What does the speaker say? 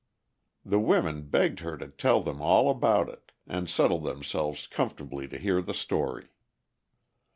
The women begged her to tell them all about it, and settled themselves comfortably to hear the story.